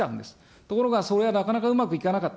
ところが、それはなかなかうまくいかなかった。